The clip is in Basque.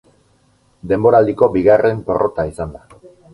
Denboraldiko bigarren porrota izan da.